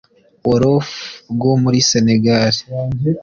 Wolof rwo muri Senegal